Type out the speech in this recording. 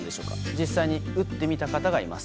実際に打ってみた方がいます。